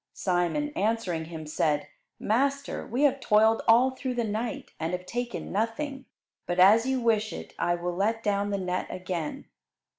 Simon, answering Him, said, "Master, we have toiled all through the night and have taken nothing, but as you wish it I will let down the net again."